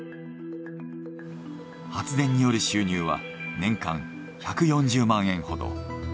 発電による収入は年間１４０万円ほど。